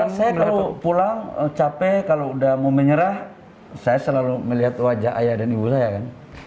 saya kalau pulang capek kalau udah mau menyerah saya selalu melihat wajah ayah dan ibu saya kan